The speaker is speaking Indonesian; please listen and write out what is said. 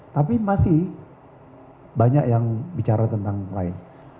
tapi masih banyak yang bicara tentang lain